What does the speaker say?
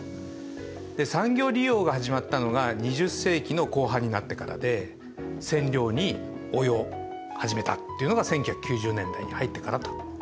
で産業利用が始まったのが２０世紀の後半になってからで染料に応用始めたっていうのが１９９０年代に入ってからということになります。